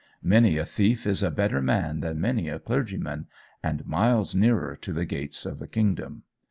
Many a thief is a better man than many a clergyman, and miles nearer to the gate of the kingdom.